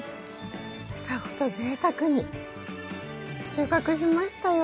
房ごとぜいたくに収穫しましたよ。